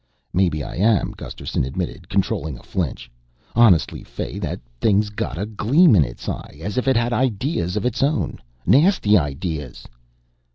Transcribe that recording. "Maybe I am," Gusterson admitted, controlling a flinch. "Honestly, Fay, that thing's got a gleam in its eye as if it had ideas of its own. Nasty ideas."